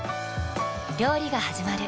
料理がはじまる。